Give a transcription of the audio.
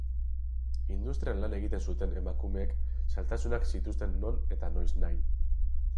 Industrian lan egiten zuten emakumeek zailtasunak zituzten non eta noiznahi.